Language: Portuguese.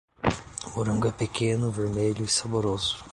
O morango é pequeno, vermelho e saboroso.